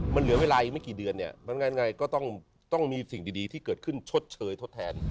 มันเหลือเวลาอีกไม่กี่เดือนเนี่ยมันงั้นไงก็ต้องมีสิ่งดีที่เกิดขึ้นชดเชยทดแทน